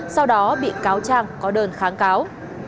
sau đó bị cáo trang có đơn kháng cáo